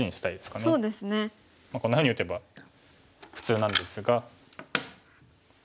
こんなふうに打てば普通なんですが。